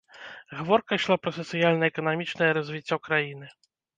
Гаворка ішла пра сацыяльна-эканамічнае развіццё краіны.